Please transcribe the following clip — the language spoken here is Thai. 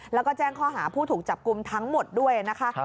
แล้วก็แจ้งข้อหาผู้ถูกจับกลุ่มทั้งหมดด้วยนะคะ